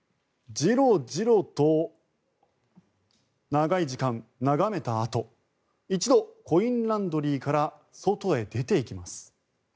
じろじろと長い時間眺めたあと一度、コインランドリーから外へ出ていきます。